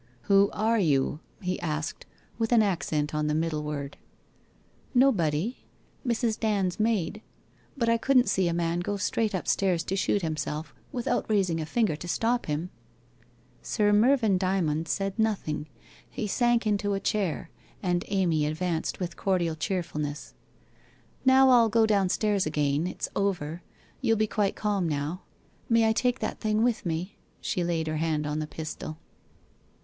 ' \i'ho are you ?' he asked, with an accent on the middle word. ' Nobody. Mrs. Dand's maid. But I couldn't see a man go straight upstairs to shoot himself without raising a finger to stop him.' Sir fcfervvn Dvmond said nothing. He sank into a chair and Amy advanced with cordial cheerfulness. 1 Now I'll go downstairs again, it's over. You'll be quite calm now. May I take that thing with me?' She laid her hand on the pistol.